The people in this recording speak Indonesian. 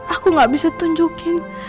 aku gak bisa tunjukin